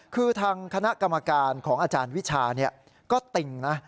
คือทางคณะกรรมการของอาจารย์วิชาก็ติ่งนะ